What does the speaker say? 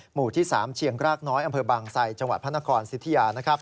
หมู่ที่๓เชียงรากน้อยอำเภอบางไซจังหวัดพระนครสิทธิยา